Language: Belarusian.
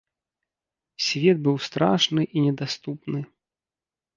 Свет быў страшны і недаступны.